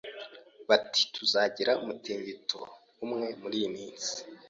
Bati tuzagira umutingito umwe muriyi minsi.